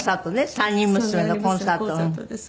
３人娘のコンサートです。